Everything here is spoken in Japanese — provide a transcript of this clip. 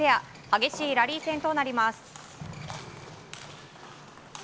激しいラリー戦となります。